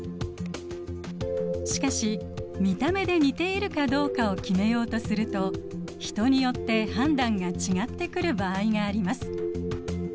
しかし見た目で似ているかどうかを決めようとすると人によって判断が違ってくる場合があります。